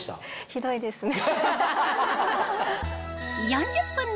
ひどいですね。